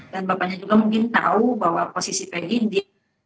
dan bapaknya juga mungkin tahu bahwa posisi pegi di